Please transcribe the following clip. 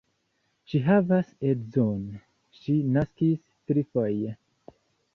Ŝi havas edzon, ŝi naskis trifoje.